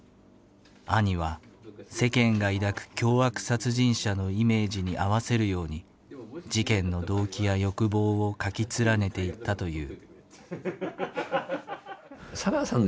兄は世間が抱く凶悪殺人者のイメージに合わせるように事件の動機や欲望を書き連ねていったという。